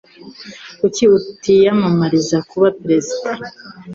Kuki utiyamamariza kuba perezida?